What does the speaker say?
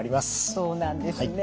そうなんですね。